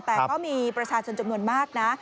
แต่ก็มีประชาชนจำนวนมากนะ